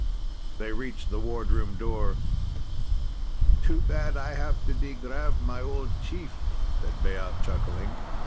They reached the wardroom door. "Too bad I have to degrav my old chief," said Baat, chuckling.